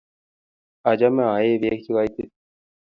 Achame aee peek che koitit